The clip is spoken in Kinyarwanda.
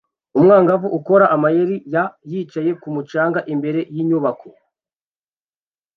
Umwangavu ukora amayeri ya yicaye kumu canga imbere yinyubako